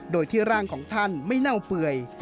โดยที่ร่างของท่านไม่เน่าเปื่อย